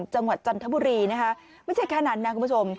จันทบุรีนะคะไม่ใช่แค่นั้นนะคุณผู้ชม